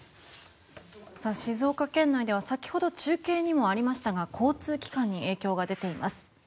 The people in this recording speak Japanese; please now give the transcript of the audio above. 静岡県内では先ほど中継にもありましたが交通機関に影響が出ています。